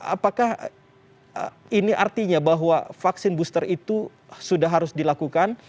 apakah ini artinya bahwa vaksin booster itu sudah harus dilakukan